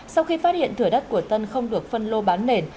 sau khi phát hiện thửa đất của tân không được phân lô bán nền